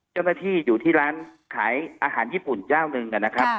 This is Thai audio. เจ้าหน้าที่อยู่ที่ร้านขายอาหารญี่ปุ่นเจ้าหนึ่งนะครับ